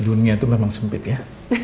dunia itu memang sempit ya